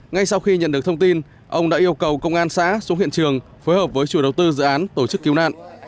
ngay sau khi nhận được thông tin ông đã yêu cầu công an xã xuống hiện trường phối hợp với chủ đầu tư dự án tổ chức cứu nạn